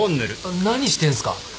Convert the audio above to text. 何してんすか。